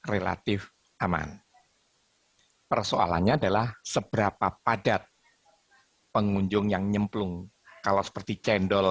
relatif aman persoalannya adalah seberapa padat pengunjung yang nyemplung kalau seperti cendol